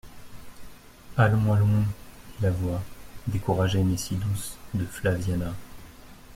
«Allons … allons …» dit la voix, découragée mais si douce, de Flaviana.